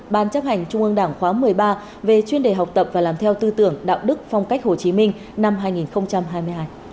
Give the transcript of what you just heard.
ban chấp hành trung ương đảng khóa một mươi ba về chuyên đề học tập và làm theo tư tưởng đạo đức phong cách hồ chí minh năm hai nghìn hai mươi hai